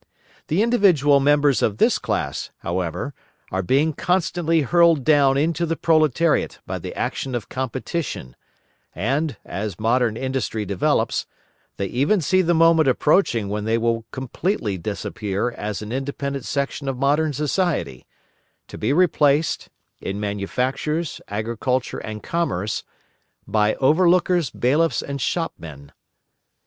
The individual members of this class, however, are being constantly hurled down into the proletariat by the action of competition, and, as modern industry develops, they even see the moment approaching when they will completely disappear as an independent section of modern society, to be replaced, in manufactures, agriculture and commerce, by overlookers, bailiffs and shopmen.